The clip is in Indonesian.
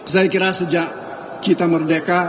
saya kira sejak kita merdeka